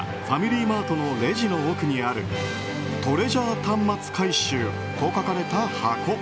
ファミリーマートのレジの奥にあるトレジャー端末回収と書かれた箱。